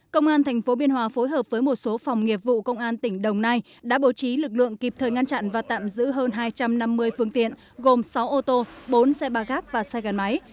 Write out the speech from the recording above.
công an tp biên hòa phối hợp với một số phòng nghiệp vụ công an tỉnh đồng nai đã bố trí lực lượng kịp thời ngăn chặn và tạm giữ hơn hai trăm năm mươi phương tiện gồm sáu ô tô bốn xe bà gác và xe gắn máy